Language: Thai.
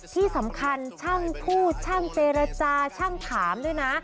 ที่สำคัญช่างพูดช่างเจรจาช่างถามด้วยนะ